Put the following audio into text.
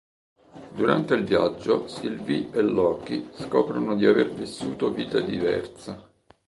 Durante il viaggio Sylvie e Loki scoprono di aver vissuto vite diverse.